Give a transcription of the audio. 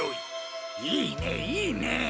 いいねいいね！